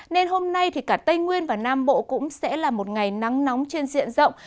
nên hôm nay thì cả tây nguyên và nam bộ cũng sẽ là một ngày nắng nóng trên diện rộng